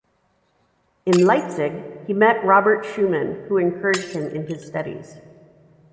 In Leipzig he met Robert Schumann, who encouraged him in his studies.